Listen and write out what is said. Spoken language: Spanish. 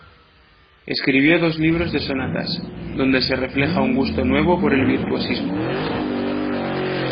Escribió dos libros de sonatas, donde se refleja un gusto nuevo por el virtuosismo.